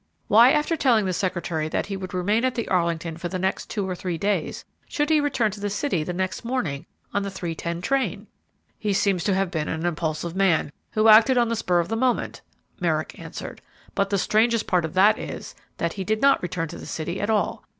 Why, after telling the secretary that he would remain at the Arlington for the next two or three days, should he return to the city the next morning on the 3.10 train?" "He seems to have been an impulsive man, who acted on the spur of the moment," Merrick answered; "but the strangest part of that is, that he did not return to the city at all.